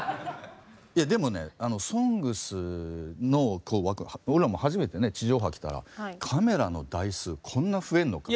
いやでもね「ＳＯＮＧＳ」のこう枠俺らも初めてね地上波来たらカメラの台数こんな増えんのか。